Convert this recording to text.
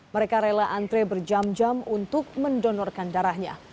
mereka rela antre berjam jam untuk mendonorkan darahnya